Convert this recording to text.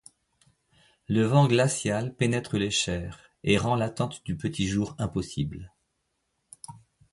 Le vent glacial pénètre les chairs et rend l'attente du petit jour impossible.